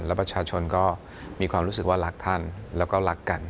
แล้วประชาชนก็มีความรู้สึกว่ารักท่านแล้วก็รักกัน